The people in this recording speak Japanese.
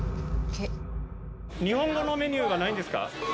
日本語のメニューはないんですか？